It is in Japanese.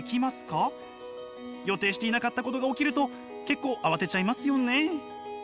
予定していなかったことが起きると結構慌てちゃいますよね。